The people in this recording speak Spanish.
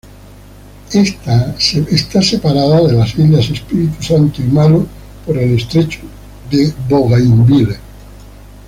Está separada de las islas Espíritu Santo y Malo por el estrecho de Bougainville.